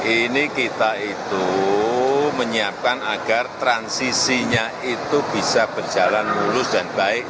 ini kita itu menyiapkan agar transisinya itu bisa berjalan mulus dan baik